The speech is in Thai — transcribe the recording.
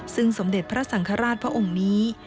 ซึ่งสมเด็จพระสังฆราชพระองค์นี้